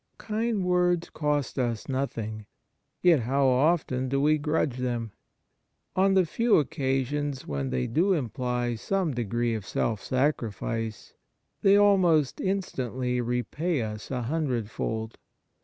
Kind words cost us nothing, yet how often do we grudge them ? On the few occasions when they do imply some degree of self sacrifice, they almost instantly repay us a hundred fold.